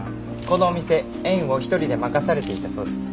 このお店縁を１人で任されていたそうです。